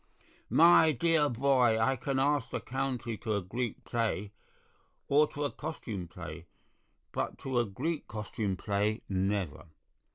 "My dear boy, I can ask the County to a Greek play, or to a costume play, but to a Greek costume play, never.